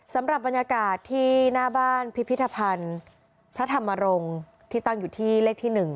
สำหรับบรรยากาศที่หน้าบ้านพิพิธภัณฑ์พระธรรมรงค์ที่ตั้งอยู่ที่เลขที่๑